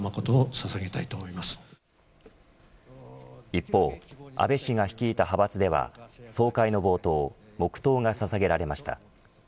一方、安倍氏が率いた派閥では総会の冒頭黙とうがささげられました。